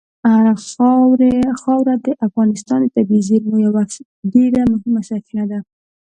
خاوره د افغانستان د طبیعي زیرمو یوه ډېره مهمه برخه ده.